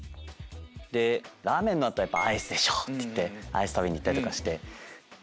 でラーメンの後はやっぱアイスでしょ！ってアイス食べに行ったりして。